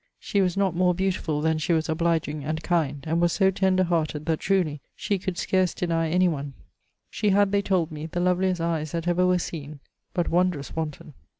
She was not more beautifull than she was obligeing and kind, and was so tender hearted that (truly) she could scarce denie any one. She had (they told me) the loveliest eies that ever were seen, but wondrous wanton.